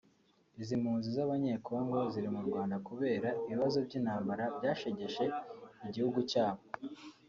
Izi mpunzi z’Abanyekongo ziri mu Rwanda kubera ibibazo by’intambara byashegeshe igihugu cyabo